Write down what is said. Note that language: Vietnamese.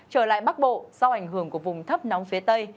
trở lại bắc bộ do ảnh hưởng của vùng thấp nóng phía tây